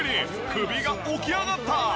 首が起き上がった！